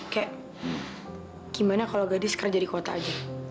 kayak gimana kalau gadis kerja di kota aja